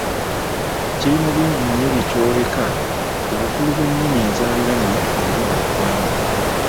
Kirina bingi nnyo bye kyoleka ku bukulu bw’ennimi enzaaliranwa eri buli ggwanga.